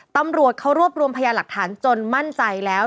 ตำรวจเขารวบรวมพยาหลักฐานจนมั่นใจแล้ว